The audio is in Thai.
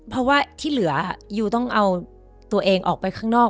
เพราะว่าที่เหลือยูต้องเอาตัวเองออกไปข้างนอก